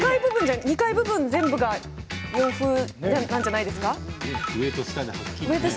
２階部分が全部洋風なんじゃないですか？